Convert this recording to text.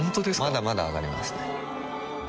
まだまだ上がりますね